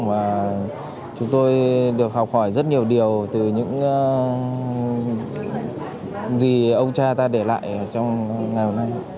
và chúng tôi được học hỏi rất nhiều điều từ những gì ông cha ta để lại trong ngày hôm nay